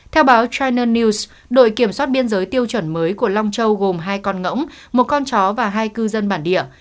theo báo china news đội kiểm soát biên giới tiêu chuẩn mới của long châu gồm hai con ngỗng một con chó và hai cư dân bản địa